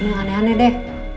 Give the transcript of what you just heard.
ini aneh aneh deh